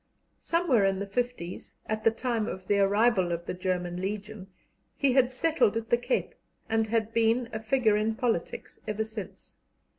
Somewhere in the fifties, at the time of the arrival of the German Legion, he had settled at the Cape, and had been a figure in politics ever since.